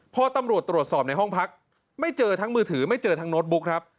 พอตำรวจตรวจสอบในห้องพักไม่เจอทั้งมือถือไม่เจอทั้งโน้ตบุ๊กครับ